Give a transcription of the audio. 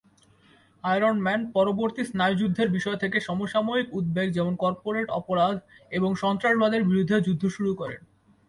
Iron Man পরবর্তী স্নায়ুযুদ্ধের বিষয় থেকে সমসাময়িক উদ্বেগ যেমন কর্পোরেট অপরাধ এবং সন্ত্রাসবাদের বিরুদ্ধে যুদ্ধ শুরু করেন।